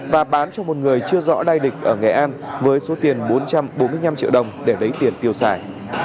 và bán cho một người chưa rõ lai lịch ở nghệ an với số tiền bốn trăm bốn mươi năm triệu đồng để lấy tiền tiêu xài